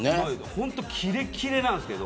本当にキレキレなんですけど。